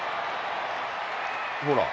ほら。